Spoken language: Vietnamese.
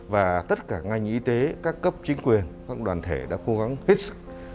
và tất cả ngành y tế các cấp chính quyền các đoàn thể đã cố gắng hết sức